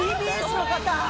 ＴＢＳの方！